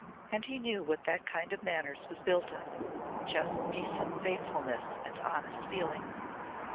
And he knew what that kind of manners was built on just decent faithfulness and honest feeling.